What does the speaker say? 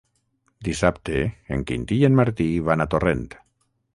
Dissabte en Quintí i en Martí van a Torrent.